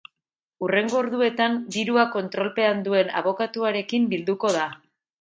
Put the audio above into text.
Hurrengo orduetan dirua kontrolpean duen abokatuarekin bilduko da.